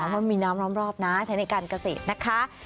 ว่ามีน้ำล้อมรอบนะใช้ในการเกษตรนะคะ